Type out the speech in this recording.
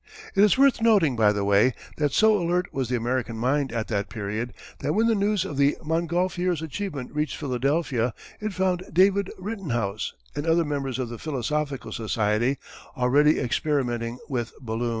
It is worth noting by the way that so alert was the American mind at that period that when the news of the Montgolfiers' achievement reached Philadelphia it found David Rittenhouse and other members of the Philosophical Society already experimenting with balloons.